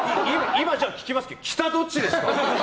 今じゃあ、聞きますけど北、どっちですか？